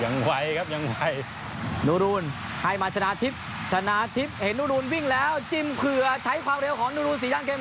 ไหวครับยังไหวนูรูนให้มาชนะทิพย์ชนะทิพย์เห็นนูรูนวิ่งแล้วจิ้มเครือใช้ความเร็วของนูรูนสี่ย่านเกม